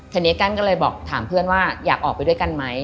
ทีนี้กั้นก็เลยบอกถามเพื่อนว่าอยากออกไปด้วยกันไหม